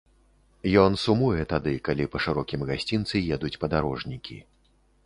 Ён сумуе тады, калі па шырокім гасцінцы едуць падарожнікі.